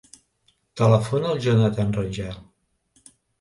Telefona al Jonathan Rangel.